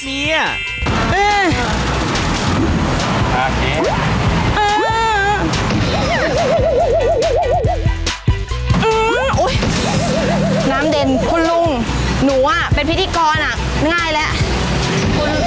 น้ำเด่นคุณลุงหนูเป็นพิธีกรง่ายแล้ว